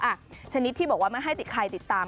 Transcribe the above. ชนิดที่บอกว่าไม่ให้ติดใครติดตาม